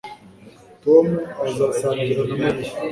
Tom azasangira na Mariya